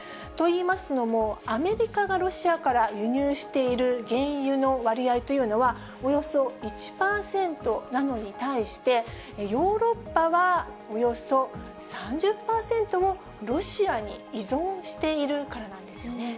といいますのも、アメリカがロシアから輸入している原油の割合というのは、およそ１％なのに対して、ヨーロッパはおよそ３０％をロシアに依存しているからなんですよ